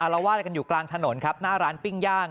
เราว่าอะไรกันอยู่กลางถนนครับหน้าร้านปิ้งย่าง